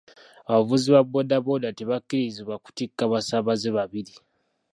Abavuzi ba boodabooda tebakkirizibwa kutikka basaabaze babiri.